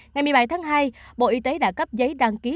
ngày một mươi bảy tháng hai bộ y tế đã cấp giấy đăng ký